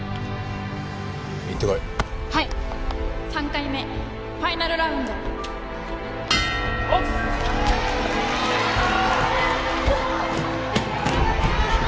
「３回目ファイナルラウンド」ボックス！